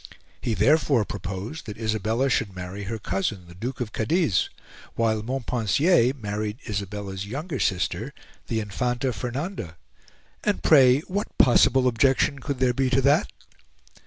He therefore proposed that Isabella should marry her cousin, the Duke of Cadiz, while Montpensier married Isabella's younger sister, the Infanta Fernanda; and pray, what possible objection could there be to that?